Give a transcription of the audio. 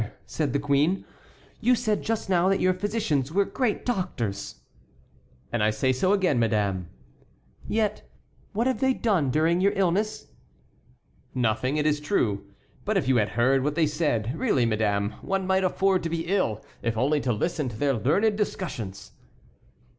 said the queen, "you said just now that your physicians were great doctors!" "And I say so again, madame." "Yet what have they done during your illness?" "Nothing, it is true—but if you had heard what they said—really, madame, one might afford to be ill if only to listen to their learned discussions."